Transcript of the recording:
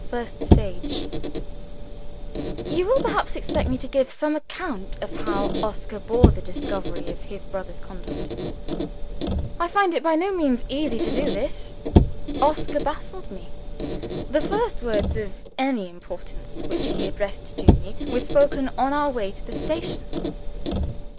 First Stage You will perhaps expect me to give some account of how Oscar bore the discovery of his brother's conduct. I find it by no means easy to do this. Oscar baffled me. The first words of any importance which he addressed to me were spoken on our way to the station.